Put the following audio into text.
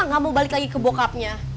enggak mau balik lagi ke bokapnya